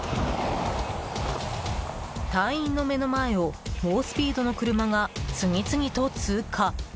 隊員の目の前を猛スピードの車が次々と通過。